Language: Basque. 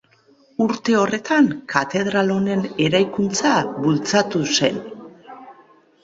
Urte horretan katedral honen eraikuntza bultzatu zen.